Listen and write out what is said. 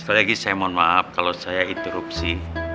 sekali lagi saya mohon maaf kalau saya interupsi